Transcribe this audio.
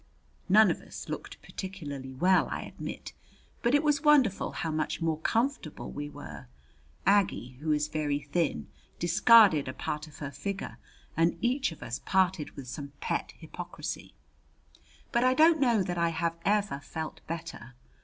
None of us looked particularly well, I admit; but it was wonderful how much more comfortable we were. Aggie, who is very thin, discarded a part of her figure, and each of us parted with some pet hypocrisy. But I don't know that I have ever felt better.